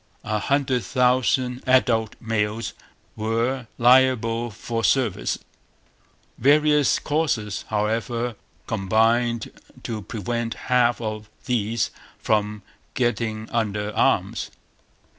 A hundred thousand adult males were liable for service. Various causes, however, combined to prevent half of these from getting under arms.